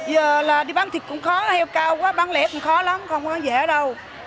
giờ là đi bán thịt cũng khó heo cao quá bán lẻ cũng khó lắm không có dễ đâu